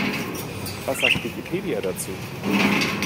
Was sagt Wikipedia dazu?